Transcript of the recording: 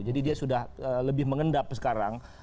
jadi dia sudah lebih mengendap sekarang